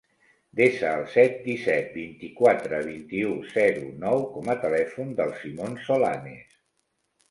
Desa el set, disset, vint-i-quatre, vint-i-u, zero, nou com a telèfon del Simon Solanes.